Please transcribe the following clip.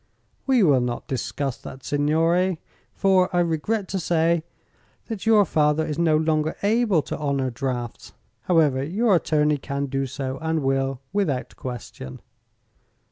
"We will not discuss that, signore, for I regret to say that your father is no longer able to honor drafts. However, your attorney can do so, and will, without question."